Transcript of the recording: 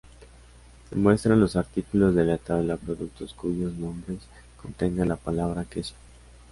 Se muestran los artículos de la Tabla Productos cuyos nombres contengan la palabra "queso".